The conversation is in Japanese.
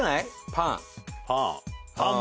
パン。